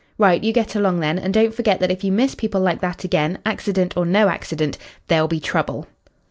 "Right; you get along, then. And don't forget that if you miss people like that again, accident or no accident, there'll be trouble."